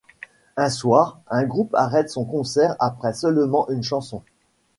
Un soir, un groupe arrête son concert après seulement une chanson.